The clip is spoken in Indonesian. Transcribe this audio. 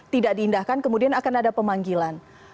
tidak diindahkan kemudian akan ada pemanggilan